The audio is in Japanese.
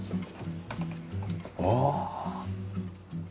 ああ。